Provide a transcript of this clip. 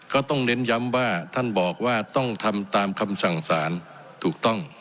ก็ต้องเน้นย้ำว่าท่านบอกว่าต้องทำตามคำสั่งสารถูกต้อง